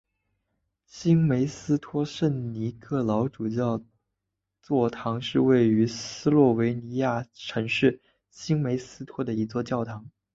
新梅斯托圣尼各老主教座堂是位于斯洛维尼亚城市新梅斯托的一座教堂。